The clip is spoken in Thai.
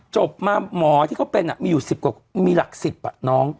จบหมอที่เขาเป็นอ่ะมีหลัก๑๐ก่อนน้อง